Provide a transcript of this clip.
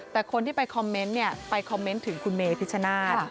แต่คนที่ไปคอมเมนต์เนี่ยไปคอมเมนต์ถึงคุณเมพิชชนาธิ์